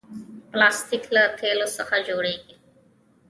پلاستيک له تیلو څخه جوړېږي.